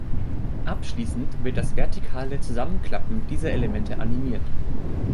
Abschließend wird das vertikale Zusammenklappen dieser Elemente animiert.